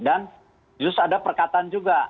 dan just ada perkataan juga